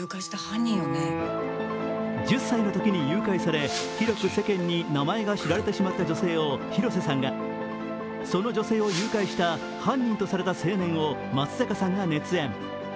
１０歳のときに誘拐され、広く世間に名前を知られてしまった女性を広瀬さんがその女性を誘拐した犯人とされた青年を松坂さんが熱演。